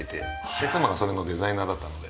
で妻がそれのデザイナーだったので。